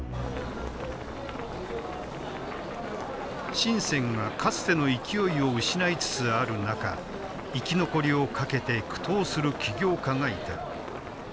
深がかつての勢いを失いつつある中生き残りをかけて苦闘する起業家がいた。